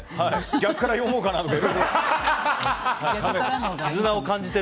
逆から読もうかなとか。